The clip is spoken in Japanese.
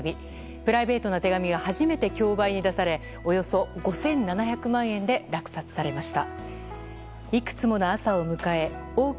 プライベートな手紙が初めて競売に出されおよそ５７００万円で落札されました。